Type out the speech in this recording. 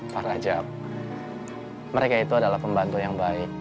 para rajab mereka itu adalah pembantu yang baik